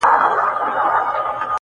• یانې مرګ پسې مې ټول جهان را ووت ..